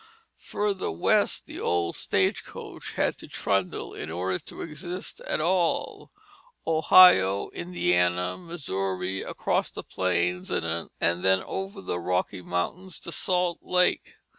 Further west the old stage coach had to trundle in order to exist at all: Ohio, Indiana, Missouri, across the plains, and then over the Rocky Mountains to Salt Lake.